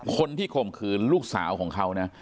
คนที่คมขืนลูกสาวของเขานะ